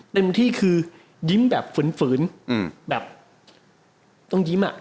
เต็มที่คือยิ้มแบบฝืนแบบต้องยิ้มอ่ะ